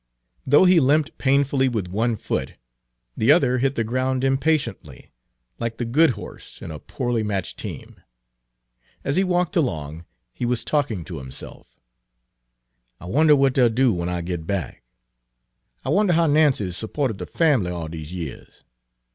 Though he limped painfully with one foot, the other hit the ground impatiently, like the good horse in a poorly matched team. As he walked along, he was talking to himself: "I wonder what dey 'll do w'en I git back? I wonder how Nancy 's s'ported the fambly all dese years?